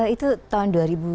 itu tahun dua ribu dua puluh